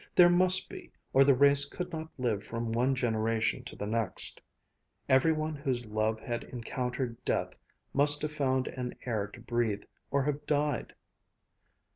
There must be, or the race could not live from one generation to the next. Every one whose love had encountered death must have found an air to breathe or have died.